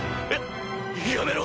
ややめろ！